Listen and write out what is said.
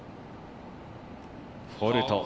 フォールト。